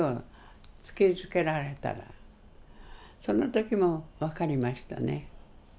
その時も分かりましたね。